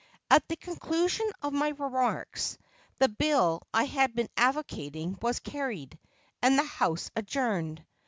At the conclusion of my remarks, the bill I had been advocating was carried, and the House adjourned.